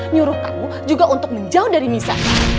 nyuruh aku juga untuk menjauh dari misa